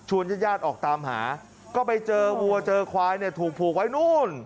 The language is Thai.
ชวนญาติออกตามหาก็ไปเจอวัวเจอควายถูกผูกไว้นู้น